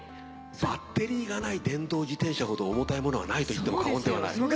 バッテリーがない電動自転車ほど重たいものはないと言っても過言ではない。